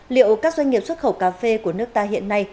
liệu các doanh nghiệp xuất khẩu cà phê của nước ta hiện nay